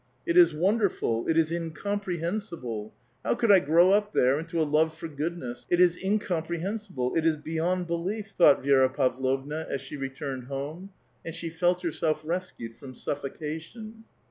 It is wonderful ! it is incoruprebensible ! How could 1 grow up there into a love for goodness ? It is incom prehensible ! It is beyond belief!" thought Vi^ra Pavlovna, as she returned Lome ; and she felt herself rescued from suffocation.